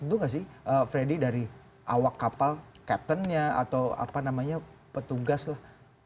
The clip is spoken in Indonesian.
tentu nggak sih freddy dari awak kapal captainnya atau apa namanya petugas lah